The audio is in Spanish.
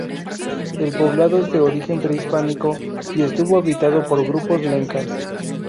El poblado es de origen prehispánico, y estuvo habitado por grupos lencas.